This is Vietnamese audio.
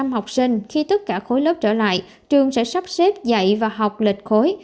một trăm linh học sinh khi tất cả khối lớp trở lại trường sẽ sắp xếp dạy và học lịch khối